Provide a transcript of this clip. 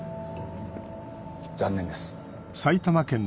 残念です。